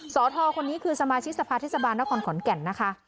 สอทอคนนี้คือสมาชิตภาคเทศบาลนอกกอนขอนแก่นนะคะ